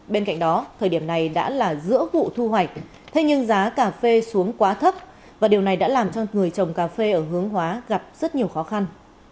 bên cạnh đó thời điểm này đã là giữa vụ thu hoạch thế nhưng giá cà phê xuống quá thấp và điều này đã làm cho người trồng cà phê ở hướng hóa gặp rất nhiều khó khăn